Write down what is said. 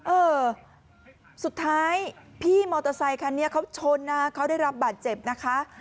เออสุดท้ายพี่มอเตอร์ไซคันนี้เขาชนนะเขาได้รับบาดเจ็บนะคะ